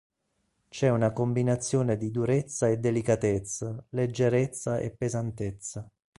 C'è una combinazione di durezza e delicatezza, leggerezza e pesantezza.